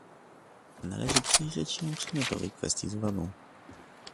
Należy przyjrzeć się przedmiotowej kwestii z uwagą